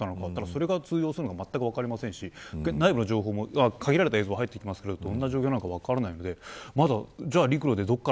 それが通用するのかまったく分かりませんし内部の情報も限られた情報は入ってきますけどどんな状況なのか分からないので。